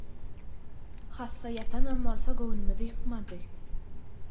Hassa ýatanam bolsa göwnümizi ýykmady